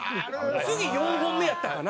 次４本目やったかな？